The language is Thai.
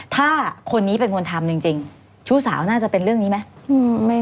ถ้าคนนี้เป็นคนทำจริงชู้สาวน่าจะเป็นเรื่องนี้ไหม